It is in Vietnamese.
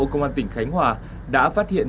công an tỉnh khánh hòa đã phát hiện